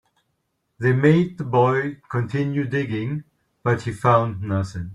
They made the boy continue digging, but he found nothing.